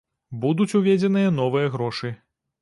Будуць уведзеныя новыя грошы.